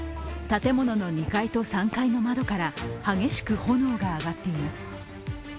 建物の２階と３階の窓から激しく炎が上がっています。